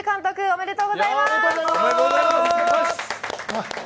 ありがとうございます。